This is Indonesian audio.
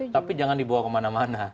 tapi jangan dibawa kemana mana